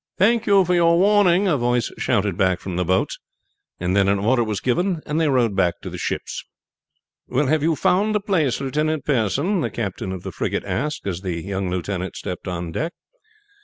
"Thank you for your warning," a voice shouted back from the boats, and then an order was given, and they rowed back to the ships. "Well, have you found the place, Lieutenant Pearson?" the captain of the frigate asked as the young lieutenant stepped on deck.